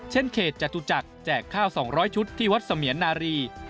เขตจตุจักรแจกข้าว๒๐๐ชุดที่วัดเสมียนนารี